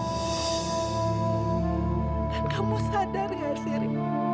dan kamu sadar nggak seri